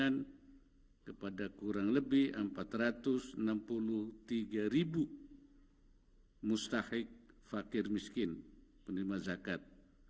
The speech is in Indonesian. ada kurang lebih empat ratus enam puluh tiga ribu mustahik fakir miskin penerima zakat